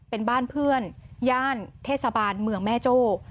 เป็นบ้านเพื่อนย่านเทศบาลเมืองแม่โจ้